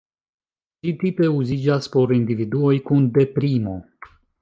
Ĝi tipe uziĝas por individuoj kun deprimo.